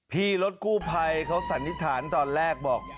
พี่รถกู้ภัยเขาสันนิษฐานตอนแรกบอก